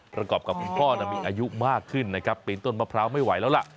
ประกอบกับคุณพ่อมีอายุมากขึ้นนะครับปีนต้นมะพร้าวไม่ไหวแล้วล่ะ